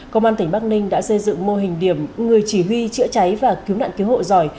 công an tỉnh bắc ninh đã xây dựng mô hình điểm người chỉ huy chữa cháy và cứu nạn cứu hộ giỏi